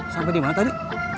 sampai dimana tadi